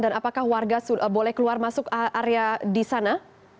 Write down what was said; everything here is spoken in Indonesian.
dan apakah warga boleh keluar masuk area di sana